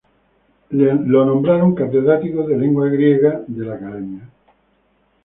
Lo nombraron catedrático de lengua griega de la Academia.